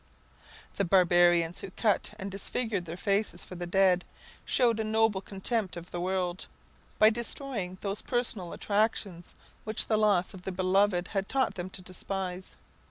The barbarians who cut and disfigured their faces for the dead, showed a noble contempt of the world, by destroying those personal attractions which the loss of the beloved had taught them to despise.